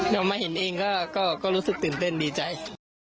เรามาเห็นเองก็รู้สึกตื่นเต้นดีใจ